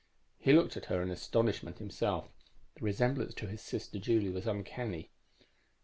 He looked at her in astonishment himself. The resemblance to his sister Julie was uncanny.